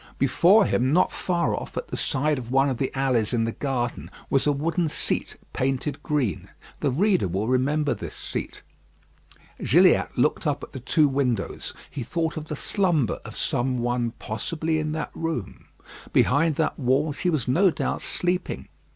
Before him, not far off, at the side of one of the alleys in the garden, was a wooden seat painted green. The reader will remember this seat. Gilliatt looked up at the two windows. He thought of the slumber of some one possibly in that room. Behind that wall she was no doubt sleeping.